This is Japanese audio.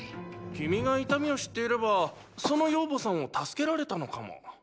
君が痛みを知っていればその養母さんを助けられたのかも。！